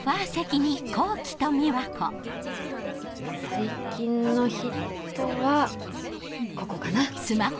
最近のヒットはここかな。